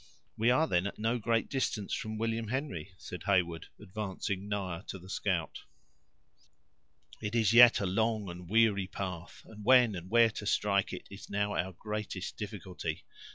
"We are, then, at no great distance from William Henry?" said Heyward, advancing nigher to the scout. "It is yet a long and weary path, and when and where to strike it is now our greatest difficulty.